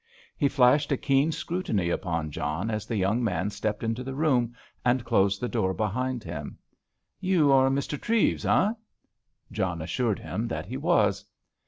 He flashed a keen scrutiny upon John as the young man stepped into the room and closed the door behind him. "You are Mr. Treves, eh?" John assured him that he was.